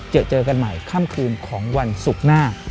เจอเจอกันใหม่ค่ำคืนของวันศุกร์หน้า